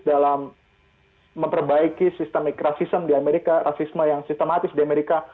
dalam memperbaiki sistemik rasistem di amerika rasisme yang sistematis di amerika